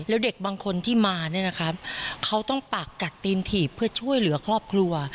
แล้วเด็กบางคนที่มาเนี่ยนะครับเขาต้องปากกัดตีนถีบเพื่อช่วยเหลือครอบครัว